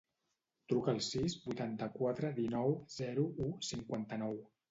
Truca al sis, vuitanta-quatre, dinou, zero, u, cinquanta-nou.